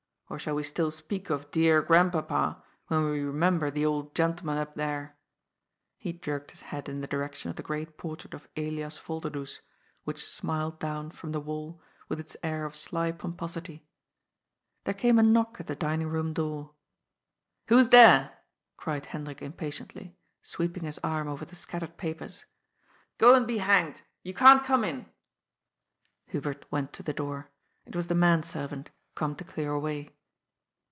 Or shall we still speak of ^dear Grandpapa,' when we remember the old gentleman up there ?" He jerked his head in the direction of the great portrait of Elias Yolderdoes, which smiled down from the wall with its air of sly pomposity. There came a knock at the dining room door. "Who's there?" cried Hendrik impatiently, sweeping his arm over the scattered papers. " Go and be hanged ! You can't come in." Hubert went to the door. It was the man servant, come to clear away.